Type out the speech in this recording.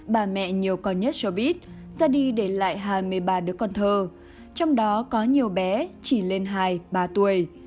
bà mẹ nhiều con nhất cho biết ra đi để lại hai mươi ba đứa con thơ trong đó có nhiều bé chỉ lên hai ba tuổi